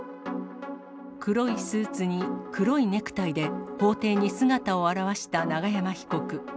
黒いスーツに黒いネクタイで、法廷に姿を現した永山被告。